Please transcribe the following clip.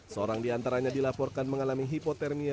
seorang diantaranya dilaporkan mengalami hipotermia